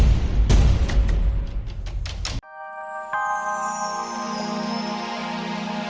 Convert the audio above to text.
suamimu pegicana royal dan global itu